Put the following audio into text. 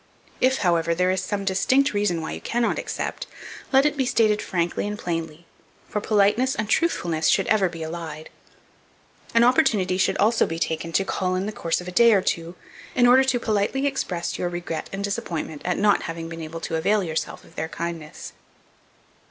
If, however, there is some distinct reason why you cannot accept, let it be stated frankly and plainly, for politeness and truthfulness should be ever allied. An opportunity should, also, be taken to call in the course of a day or two, in order to politely express your regret and disappointment at not having been able to avail yourself of their kindness.